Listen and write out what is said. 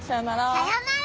さようなら。